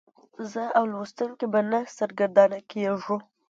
زه او لوستونکی به نه سرګردانه کیږو.